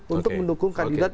untuk mendukung kandidat